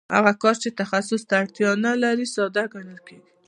هغه کار چې تخصص ته اړتیا نلري ساده ګڼل کېږي